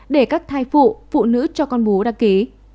để các thai phụ phụ nữ cho con bú đăng ký